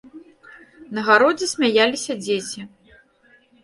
На гародзе смяяліся дзеці.